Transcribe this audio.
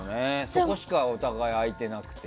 そこしかお互い空いてなくて。